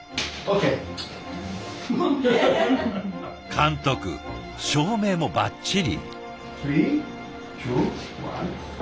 監督照明もバッチリ。